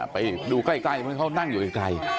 ไปดูใกล้เพราะเขานั่งอยู่ไกล